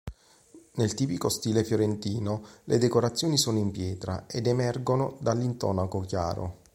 Nel tipico stile fiorentino le decorazioni sono in pietra ed "emergono" dall'intonaco chiaro.